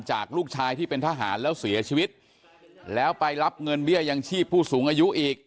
จากลูกชายที่เป็นทหารแล้วเสียชีวิตแล้วไปรับเงินเบี้ยยังชีพผู้สูงอายุอีก